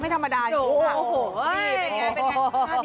ไม่ธรรมดาอยู่แล้วนี่อย่างไร